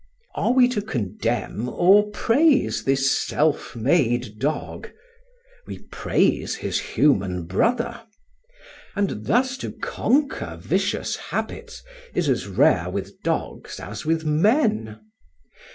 Are we to condemn or praise this self made dog! We praise his human brother. And thus to conquer vicious habits is as rare with dogs as with men.